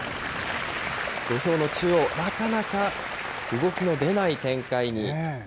土俵の中央、なかなか動きの出ない展開に。